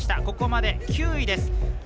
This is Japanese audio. ここまで９位です。